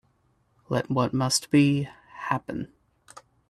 Let what must be, happen.